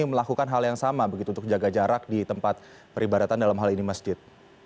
melakukan hal yang sama begitu untuk jaga jarak di tempat peribadatan dalam hal ini masjid